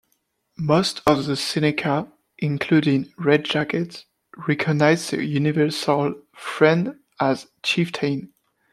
Most of the Seneca, including Red Jacket, recognized the Universal Friend as Chieftain.